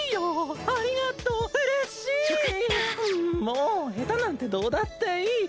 もうヘタなんてどうだっていい！